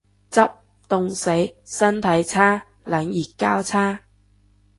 執，凍死。身體差。冷熱交叉